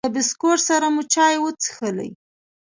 د بسکوټ سره مو چای وڅښلې.